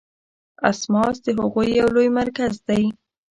اسماس د هغوی یو لوی مرکز دی.